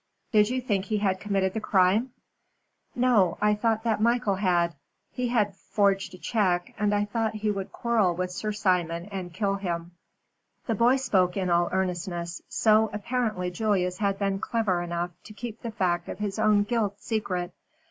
"Did you think he had committed the crime?" "No, I thought that Michael had. He had forged a check, and I thought that he would quarrel with Sir Simon and kill him." The boy spoke in all earnestness, so apparently Julius had been clever enough to keep the fact of his own guilt secret.